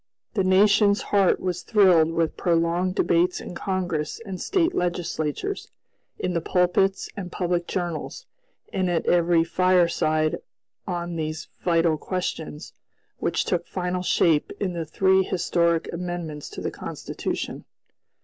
The nation's heart was thrilled with prolonged debates in Congress and State legislatures, in the pulpits and public journals, and at every fireside on these vital questions, which took final shape in the three historic amendments to the Constitution.